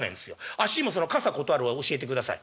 あっしにもその傘断るの教えてください」。